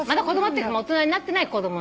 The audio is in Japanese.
大人になってない子供。